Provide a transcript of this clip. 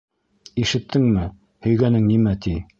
Ишеттеңме, һөйгәнең нимә ти?